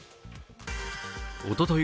おととい